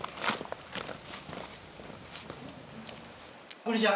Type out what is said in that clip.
こんにちは。